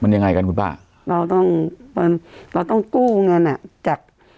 ยังไงกันคุณป้าเราต้องมันเราต้องกู้เงินอ่ะจาก